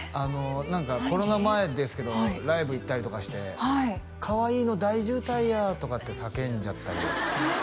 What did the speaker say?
何かコロナ前ですけどライブ行ったりとかしてはいかわいいの大渋滞やあとかって叫んじゃったりええ？